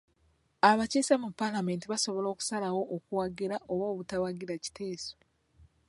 Abakiise mu palamenti basobola okusalawo okuwagira oba obutawagira kiteeso.